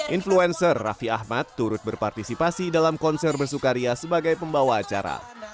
influencer raffi ahmad turut berpartisipasi dalam konser bersukaria sebagai pembawa acara